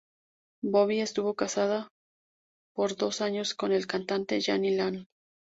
Bobbie estuvo casada por dos años con el cantante Jani Lane.